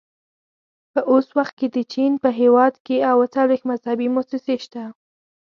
په اوس وخت کې د چین په هېواد کې اووه څلوېښت مذهبي مؤسسې شته.